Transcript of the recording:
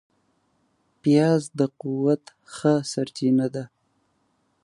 پیاز د قوت ښه سرچینه ده